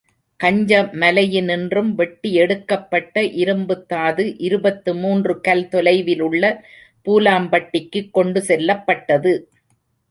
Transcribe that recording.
கஞ்ச மலையினின்றும் வெட்டி எடுக்கப்பட்ட இரும்புத்தாது இருபத்து மூன்று கல் தொலைவிலுள்ள பூலாம்பட்டிக்குக் கொண்டு செல்லப்பட்டது.